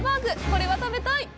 これは食べたい！